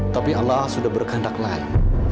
tapi allah sudah berkehendak lain